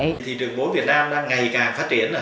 thì thị trường bốn việt nam đang ngày càng phát triển